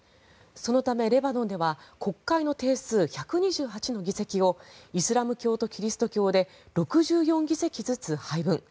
そのため、レバノンでは国会の定数１２８の議席をイスラム教とキリスト教で６４議席ずつ配分。